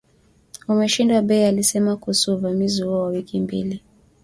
umeshindwa bei alisema kuhusu uvamizi huo wa wiki mbili